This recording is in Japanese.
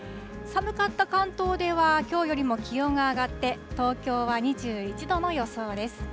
寒かった関東では、きょうよりも気温が上がって、東京は２１度の予想です。